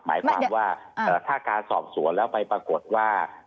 หมายความว่าถ้าการสอบสวนแล้วไปปรากฏว่า